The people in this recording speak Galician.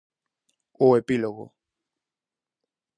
O epílogo.